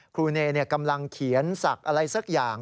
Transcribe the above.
ครูเนยกำลังเขียนศักดิ์อะไรสักอย่าง